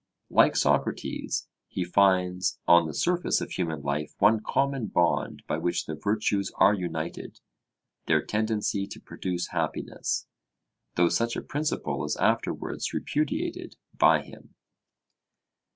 Like Socrates, he finds on the surface of human life one common bond by which the virtues are united, their tendency to produce happiness, though such a principle is afterwards repudiated by him.